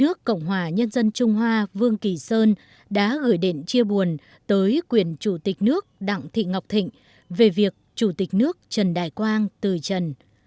nước cộng hòa nhân dân trung hoa vương kỳ sơn đã gửi điện chia buồn tới quyền chủ tịch nước đặng thị ngọc thịnh về việc chủ tịch nước trần đại quang từ trần